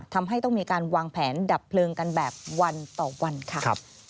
ทำให้ต้องมีการวางแผนดับเพลิงกันแบบวันต่อวันค่ะ